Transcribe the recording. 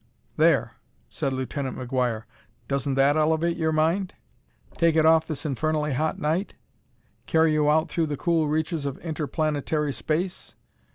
"There," said Lieutenant McGuire," doesn't that elevate your mind? Take it off this infernally hot night? Carry you out through the cool reaches of interplanetary space?